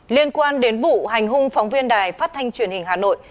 liên quan đến vụ hành hung phóng viên đài phát thanh truyền hình hà nội